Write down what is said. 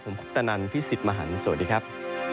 ผมคุปตะนันพี่สิทธิ์มหันฯสวัสดีครับ